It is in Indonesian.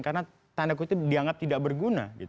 karena tanda kutip dianggap tidak berguna